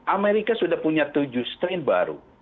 amerika sudah punya tujuh strain baru